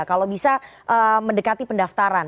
kalau bisa mendekati pendaftaran